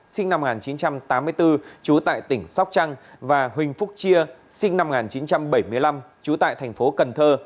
sinh năm một nghìn chín trăm tám mươi bốn trú tại tỉnh sóc trăng và huỳnh phúc chia sinh năm một nghìn chín trăm bảy mươi năm trú tại thành phố cần thơ